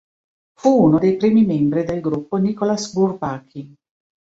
Fu uno dei primi membri del gruppo Nicolas Bourbaki.